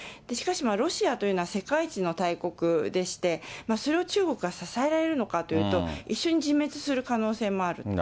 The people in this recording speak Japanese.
しかし、ロシアというのは世界一の大国でして、それを中国が支えられるのかというと、一緒に自滅する可能性もある。